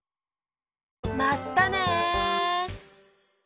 まったね！